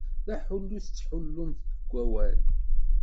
D aḥullu i tettḥullumt deg wawal.